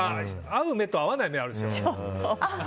合う目と合わない目あるでしょ。